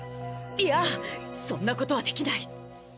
いやそんなことはできない。